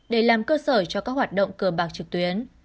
để làm cơ sở cho các hoạt động cờ bạc trực tuyến